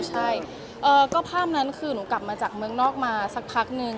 ใช่ก็ภาพนั้นคือหนูกลับมาจากเมืองนอกมาสักพักนึง